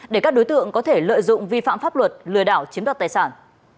để các đối tượng có thể lợi dụng vi phạm pháp luật lừa đảo chiến đấu tài sản